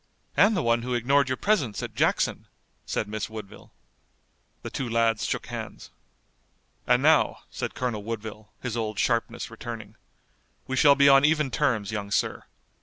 "And the one who ignored your presence at Jackson," said Miss Woodville. The two lads shook hands. "And now," said Colonel Woodville, his old sharpness returning, "we shall be on even terms, young sir.